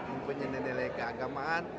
mempunyai nilai nihil keagamaan